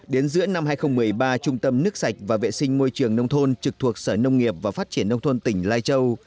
đến giữa năm hai nghìn một mươi ba trung tâm nước sạch và vệ sinh môi trường nông thôn trực thuộc sở nông nghiệp và phát triển nông thôn tỉnh lai châu